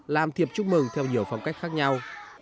làm thiệp chúc mừng theo nhiều phong cách khác nhau